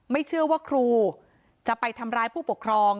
ไม่เชื่อว่าครูจะไปทำร้ายผู้ปกครอง